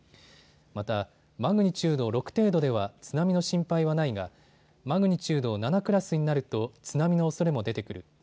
また、マグニチュード６程度では津波の心配はないがマグニチュード７クラスになると津波のおそれも出てくる。